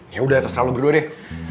ya udah terserah lo berdua deh